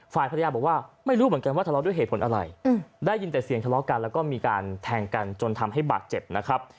ฝ่ายภรรยาบอกว่าไม่รู้เหมือนกันว่าทะเลาะด้วยเหตุผลอะไรได้ยินแต่เสียงทะเลาะกันแล้วก็มีการแทงกันจนทำให้บาดเจ็บนะครับ